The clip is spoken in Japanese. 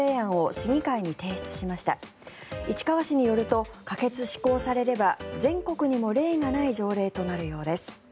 市川市によると可決・施行されれば全国にも例がない条例となるようです。